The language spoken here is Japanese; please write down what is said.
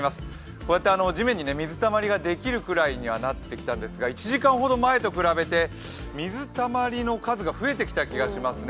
こうやって地面に水たまりできるようになってきたんですが、１時間ほど前と比べて水たまりの数が増えてきた気がしますね。